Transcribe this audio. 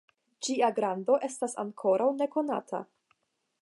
Ĝia grando estas ankoraŭ nekonata.